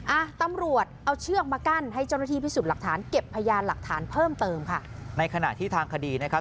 อ่ะตำรวจเอาเชือกมากั้นให้เจ้าหน้าที่พิสูจน์หลักฐานเก็บพยานหลักฐานเพิ่มเติมค่ะในขณะที่ทางคดีนะครับ